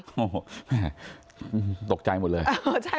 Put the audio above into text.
โอ้โหแม่ตกใจหมดเลย